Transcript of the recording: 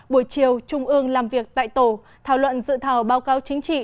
buổi chiều trung ương làm việc tại tổ thảo luận dự thảo báo cáo chính trị